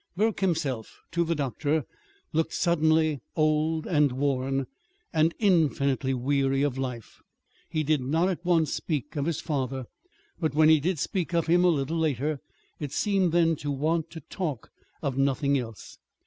Burke himself, to the doctor, looked suddenly old and worn, and infinitely weary of life. He did not at once speak of his father. But when he did speak of him, a little later, he seemed then to want to talk of nothing else.